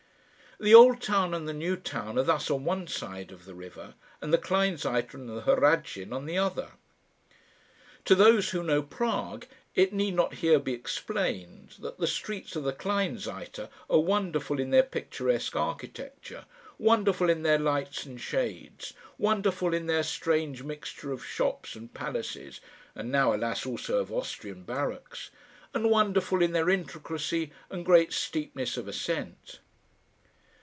The Old Town and the New Town are thus on one side of the river, and the Kleinseite and the Hradschin on the other. To those who know Prague, it need not here be explained that the streets of the Kleinseite are wonderful in their picturesque architecture, wonderful in their lights and shades, wonderful in their strange mixture of shops and palaces and now, alas! also of Austrian barracks and wonderful in their intricacy and great steepness of ascent.